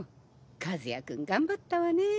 和也君頑張ったわねぇ。